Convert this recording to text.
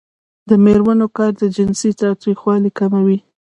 د میرمنو کار د جنسي تاوتریخوالي کموي.